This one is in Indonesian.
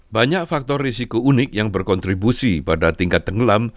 banyak faktor risiko unik yang berkontribusi pada tingkat tenggelam